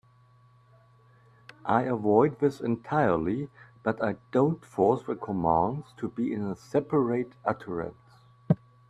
I avoid this entirely, but I don't force the commands to be in a separate utterance.